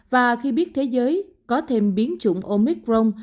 và khi biết thế giới có thêm biến chủng omicron